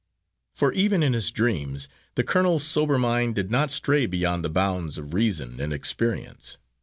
For even in his dreams the colonel's sober mind did not stray beyond the bounds of reason and experience.